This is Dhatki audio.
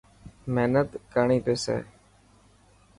مهنت ڪرڻي پيي.